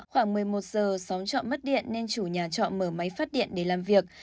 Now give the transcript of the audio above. khoảng một mươi một giờ xóm trọ mất điện nên chủ nhà trọ mở máy phát điện để làm việc